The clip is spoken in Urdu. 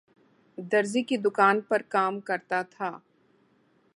درزی کی دکان پرکام کرتا تھا